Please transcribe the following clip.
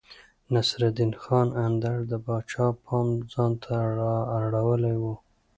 نصرالدين خان اندړ د پاچا پام ځانته رااړولی و.